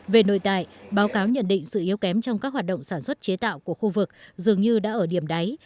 về nội tại báo cáo nhận định sự yếu kém trong các hoạt động sản xuất chế tạo của khu vực dường như đã ở điểm đáy